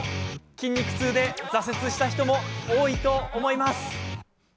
筋肉痛で挫折した人も多いと思います。